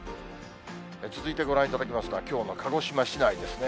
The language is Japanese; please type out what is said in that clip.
続いてご覧いただきますのは、きょうの鹿児島市内ですね。